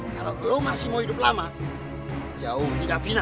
kalau lo masih mau hidup lama jauh di davina